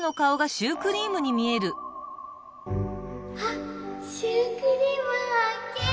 あっシュークリームはっけん！